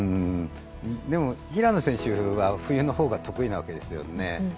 でも、平野選手は冬の方が得意なわけですよね。